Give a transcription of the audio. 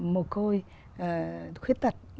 mồ côi khuyết tật